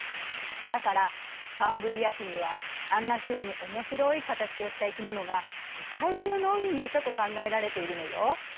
だからカンブリア紀にはあんなふうに面白い形をした生き物が世界中の海にいたと考えられているのよ。